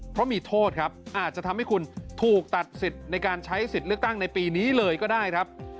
เพราะมีโทษครับอาจจะทำให้คุณถูกตัดสิทธิ์ในการใช้สิทธิ์เลือกตั้งในปีนี้เลยก็ได้ครับ